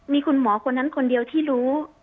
มีคุณหมอคนนั้นคนเดียวที่รู้